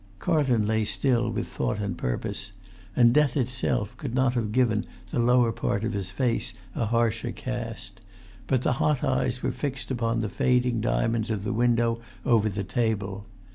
Carlton lay still with thought and purpose; and death itself could not have given the lower part of his face a harsher cast; but the hot eyes were fixed upon the fading diamonds of the window over the table.